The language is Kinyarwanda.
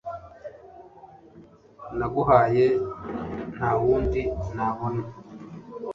naguhaye ntawundi nabona